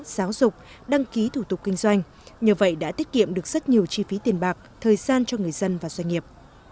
giáo dục đăng ký thủ tục kinh doanh nhờ vậy đã tiết kiệm được rất nhiều chi phí tiền bạc thời gian cho người dân và doanh nghiệp